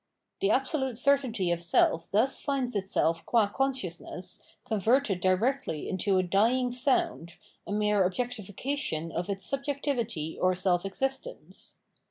The absolute certainty of self thus finds itself qua consciousness, converted directly into a dying sound, a mere objectifi cation of its subjectivity or self existence.